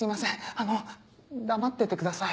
あの黙っててください。